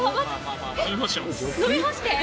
飲み干して？